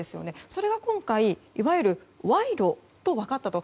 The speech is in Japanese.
それが今回いわゆる賄賂と分かったと。